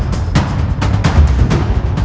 ตอนที่สุดมันกลายเป็นสิ่งที่ไม่มีความคิดว่า